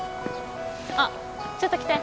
あっちょっと来て。